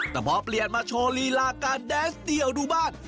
แต่พอเปลี่ยนมาโชว์ลีลาการแดนสเดี่ยวดูบ้าน